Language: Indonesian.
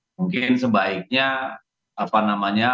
mungkin sebaiknya apa namanya